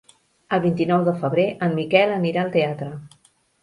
El vint-i-nou de febrer en Miquel anirà al teatre.